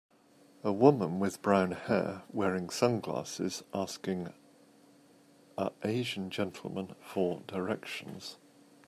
A woman with brown hair, wearing sunglasses asking a asian gentleman for directions.